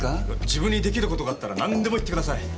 自分にできる事があったら何でも言ってください。